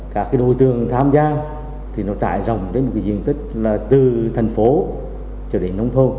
các đối tượng tham gia trải rộng đến một diện tích từ thành phố cho đến nông thôn